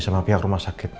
sama pihak rumah sakit